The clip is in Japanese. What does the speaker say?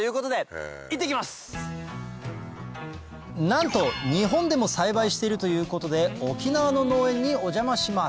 なんと日本でも栽培しているということで沖縄の農園にお邪魔します